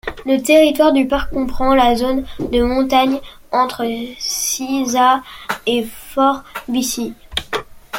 Le territoire du Parc comprend la zone de montagnes entre Cisa et Forbici.